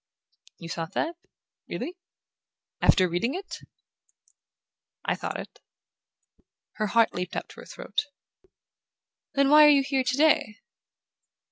"You thought that really after reading it?" "I thought it." Her heart leaped up to her throat. "Then why are you here today?"